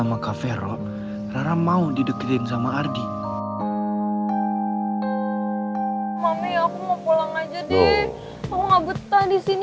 aku gak betah disini